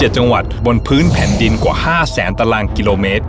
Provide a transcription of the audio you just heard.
๗จังหวัดบนพื้นแผ่นดินกว่า๕แสนตารางกิโลเมตร